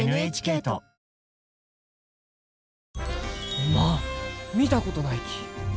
おまん見たことないき。